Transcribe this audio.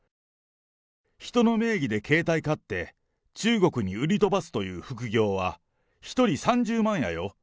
人の名義で携帯買って、中国に売り飛ばすという副業は、１人３０マンやよ。